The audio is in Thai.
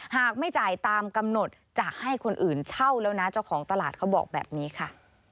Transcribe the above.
หากไม่จ่ายตามกำหนดจะให้คนอื่นเช่าแล้วนะเจ้าของตลาดเขาบอกแบบนี้ค่ะ